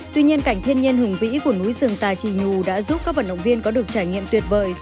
tuy nhiên cảnh thiên nhiên hùng vĩ của núi rừng tài trì nhù đã giúp các vận động viên có được trải nghiệm tuyệt vời